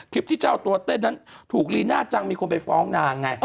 ที่เจ้าตัวเต้นนั้นถูกลีน่าจังมีคนไปฟ้องนางไง